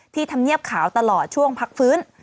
ที่ทำเงียบข่าวตลอดช่วงพักฟื้น